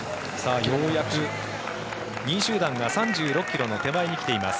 ようやく２位集団が３６ｋｍの手前に来ています。